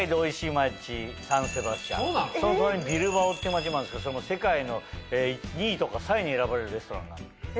その隣にビルバオって町もあるんですけど世界の２位とか３位に選ばれるレストランが。